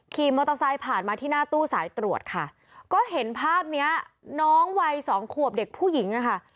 ขี่มอเตอร์ไซค์ผ่านมาที่หน้าตู้สายตรวจค่ะก็เห็นภาพเนี้ยน้องวัยสองขวบเด็กผู้หญิงอะค่ะ